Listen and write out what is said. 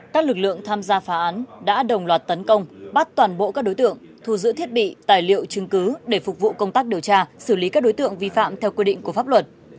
các lực lượng tham gia phá án đã đồng loạt tấn công bắt toàn bộ các đối tượng thu giữ thiết bị tài liệu chứng cứ để phục vụ công tác điều tra xử lý các đối tượng vi phạm theo quy định của pháp luật